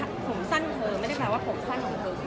ไม่ได้แปลว่าผมสั้นคือเธอคือเธอตัดผมสั้น